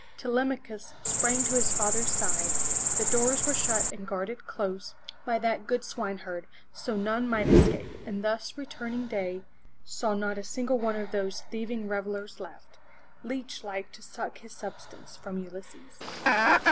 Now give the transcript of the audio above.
Telemachus sprang to his father's side, the doors were shut and guarded close by that good swineherd, so none might escape, and thus, returning day saw not a single one of all those thieving revelers left, leech like to suck his substance from Ulysses.